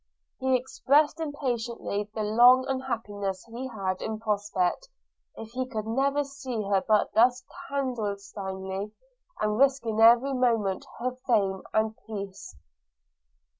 He expressed impatiently the long unhappiness he had in prospect, if he could never see her but thus clandestinely, and risking every moment her fame and her peace.